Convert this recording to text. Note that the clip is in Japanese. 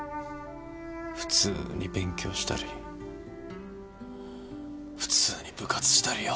普通に勉強したり普通に部活したりよ。